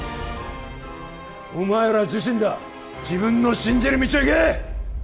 お前ら自身だ自分の信じる道を行け！